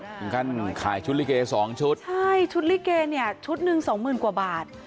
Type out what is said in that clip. ถึงขั้นขายชุดลิเกสองชุดใช่ชุดลิเกเนี่ยชุดหนึ่งสองหมื่นกว่าบาท